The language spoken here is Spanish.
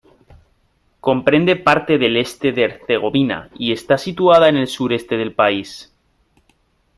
Comprende parte del Este de Herzegovina, y está situada en el sureste del país.